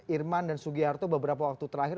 irman dan sugiharto beberapa waktu terakhir